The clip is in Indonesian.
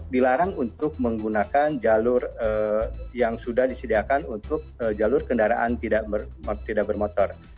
dilarang untuk menggunakan jalur yang sudah disediakan untuk jalur kendaraan tidak bermotor